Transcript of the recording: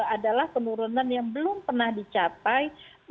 adalah penurunan yang belum pernah dicapai